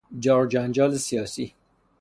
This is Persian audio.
جار و جنجال سیاسی